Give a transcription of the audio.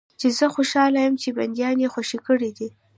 چې زه خوشاله یم چې بندیان دې خوشي کړي دي.